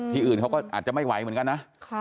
อื่นเขาก็อาจจะไม่ไหวเหมือนกันนะ